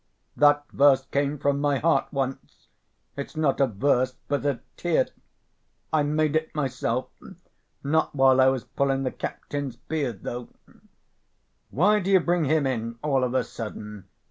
"That verse came from my heart once, it's not a verse, but a tear.... I made it myself ... not while I was pulling the captain's beard, though...." "Why do you bring him in all of a sudden?"